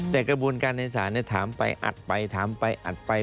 แต่กระบวนการในศาลถามไปอัดไปถามไปอัดไป